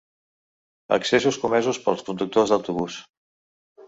Excessos comesos pels conductors d'autobús.